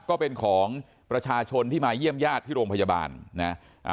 ก็เป็นของประชาชนที่มาเยี่ยมญาติที่โรงพยาบาลนะอ่า